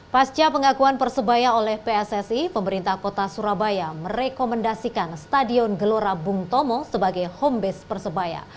pasca pengakuan persebaya oleh pssi pemerintah kota surabaya merekomendasikan stadion gelora bung tomo sebagai home base persebaya